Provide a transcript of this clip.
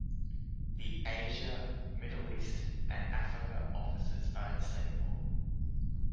The Asia, Middle East, and Africa offices are in Singapore.